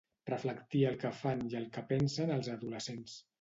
Reflectia el que fan i el que pensen els adolescents.